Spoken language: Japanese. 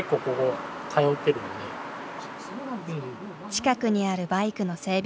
近くにあるバイクの整備